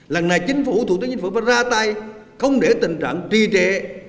lần này chính phủ thủ tướng chính phủ phải ra tay không để tình trạng trì trệ